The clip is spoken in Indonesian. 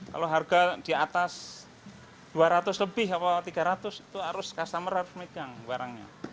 kalau harga di atas dua ratus lebih atau tiga ratus itu harus customer harus megang barangnya